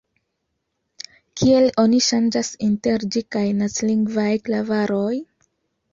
Kiel oni ŝanĝas inter ĝi kaj nacilingvaj klavaroj?